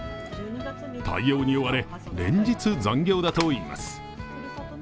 対応に追われ連日残業だといいます。